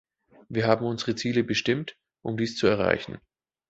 Wir haben unsere Ziele bestimmt, um dies zu erreichen.